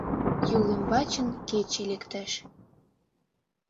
Юл ӱмбачын кече лектеш.